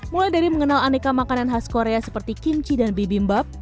mulai dari mengenal aneka makanan khas korea seperti kimchi dan bibi mbab